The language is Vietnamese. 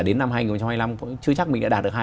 đến năm hai nghìn hai mươi năm chưa chắc mình đã đạt được hai